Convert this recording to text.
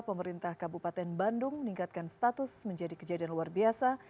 pemerintah kabupaten bandung meningkatkan status menjadi kejadian luar biasa